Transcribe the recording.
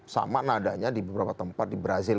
sama nadanya di beberapa tempat di brazil